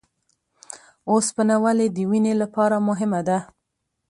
اوسپنه ولې د وینې لپاره مهمه ده؟